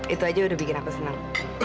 itu aja udah bikin aku senang